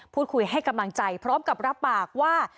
พูดคุยให้กำลังใจพร้อมกับรับปากว่า